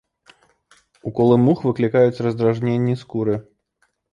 Уколы мух выклікаюць раздражненні скуры.